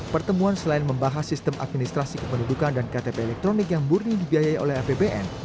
pertemuan selain membahas sistem administrasi kependudukan dan ktp elektronik yang murni dibiayai oleh apbn